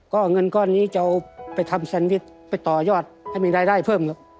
ก็เงินก้อนนี้จะเอาไปทำแซนวิชไปต่อยอดให้มีรายได้เพิ่มครับ